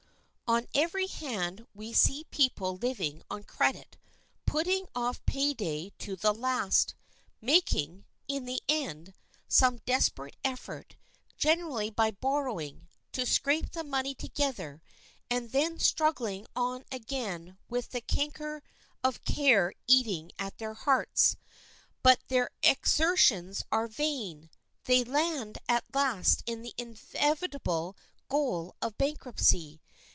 On every hand we see people living on credit, putting off pay day to the last, making, in the end, some desperate effort—generally by borrowing—to scrape the money together, and then struggling on again with the canker of care eating at their hearts; but their exertions are vain; they land at last in the inevitable goal of bankruptcy.